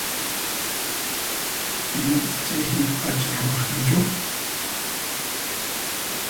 Pillapis chayhina p'acha ruwaq kanchu?